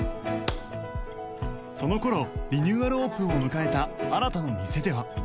その頃リニューアルオープンを迎えた新の店では